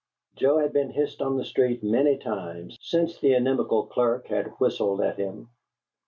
Joe had been hissed on the street many times since the inimical clerk had whistled at him.